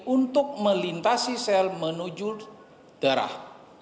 untuk melintasi sel menuju darah